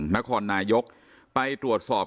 นครนายกไปตรวจสอบ